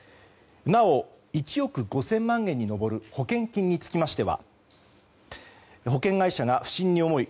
なお、１億５０００万円に上る保険金につきましては保険会社が不審に思い凜